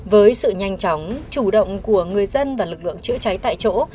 với sự nhanh chóng chủ động của người dân và lực lượng chữa cháy tại chỗ